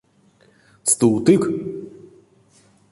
Стувтык?